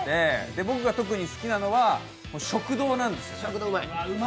僕が特に好きなのは食堂なんですよね。